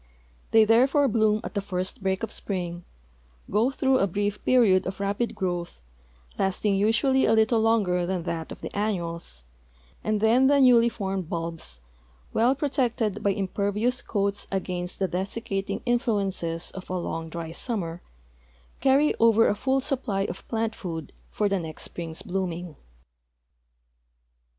They therefore bloom at the first break of spring, go tb rough a brief jieriod of rapid growth, lasting usually a little longer than that of the annuals, and then the newly formed bulbs, well ])rotected by impervious coats against the desiccating influences of a long, dry summer, carry over a full supply of plant food for the next spring's blooming.